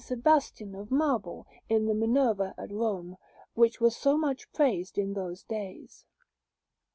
Sebastian of marble in the Minerva at Rome, which was so much praised in those days.